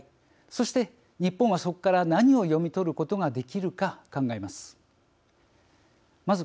そして、日本はそこから何を読み取ることができるか考えます。